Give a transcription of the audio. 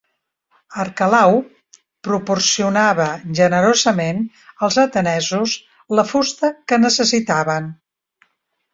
Arquelau proporcionava generosament als atenesos la fusta que necessitaven.